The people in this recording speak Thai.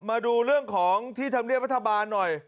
มาดูเรื่องของที่ธรรมเนียบรัฐบาลหน่อย